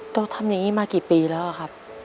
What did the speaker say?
ต้องทำอย่างนี้มากี่ปีแล้วครับ